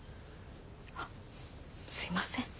あすいません。